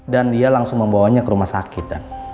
dan dia langsung membawanya ke rumah sakit dan